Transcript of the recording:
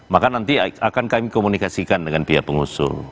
maka nanti akan kami komunikasikan dengan pihak pengusung